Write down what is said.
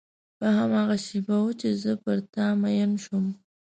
په هماغه شېبه کې و چې زه پر تا مینه شوم.